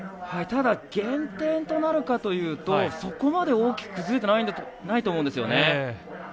ただ減点となるかというとそこまで大きく崩れてないと思うんですよね。